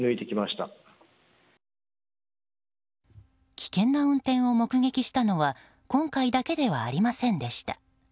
危険な運転を目撃したのは今回だけではありませんでした。